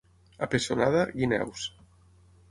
A Pessonada, guineus.